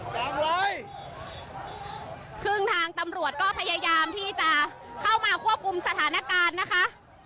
จังเลยซึ่งทางตำรวจก็พยายามที่จะเข้ามาควบคุมสถานการณ์นะคะ